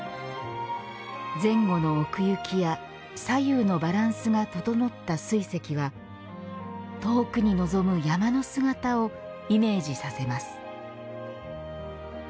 前後の奥行きや左右のバランスが整った水石は遠くに望む山の姿をイメージさせます。